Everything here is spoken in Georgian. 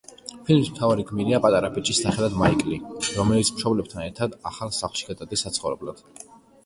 ფილმის მთავარი გმირია პატარა ბიჭი სახელად მაიკლი, რომელიც მშობლებთან ერთად ახალ სახლში გადადის საცხოვრებლად.